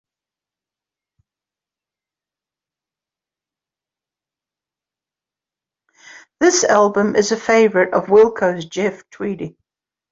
This album is a favorite of Wilco's Jeff Tweedy.